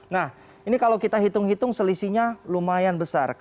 nah ini kalau kita hitung hitung selisihnya lumayan besar